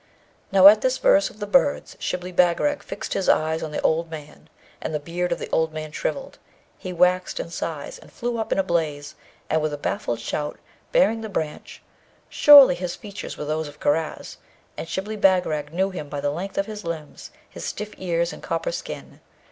Now, at this verse of the birds Shibli Bagarag fixed his eye on the old man, and the beard of the old man shrivelled; he waxed in size, and flew up in a blaze and with a baffled shout bearing the branch; surely, his features were those of Karaz, and Shibli Bagarag knew him by the length of his limbs, his stiff ears, and copper skin.